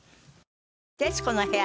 『徹子の部屋』は